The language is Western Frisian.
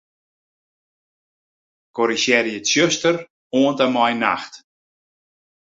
Korrizjearje 'tsjuster' oant en mei 'nacht'.